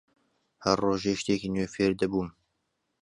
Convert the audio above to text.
هەر ڕۆژەی شتێکی نوێ فێر دەبووم